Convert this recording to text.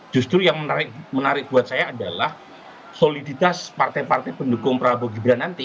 justru yang menarik buat saya adalah soliditas partai partai pendukung prabowo gibran nanti